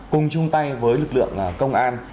cùng chung tay với lực lượng công an